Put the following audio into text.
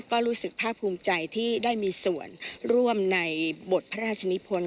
ก็รู้สึกภาคภูมิใจที่ได้มีส่วนร่วมในบทพระราชนิพล